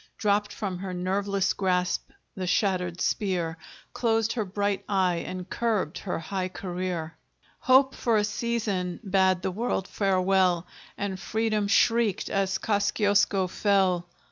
Dropped from her nerveless grasp the shattered spear, Closed her bright eye and curbed her high career; Hope for a season bade the world farewell, And Freedom shrieked, as Kosciusko fell!